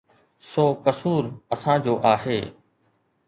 سو قصور اسان جو آهي.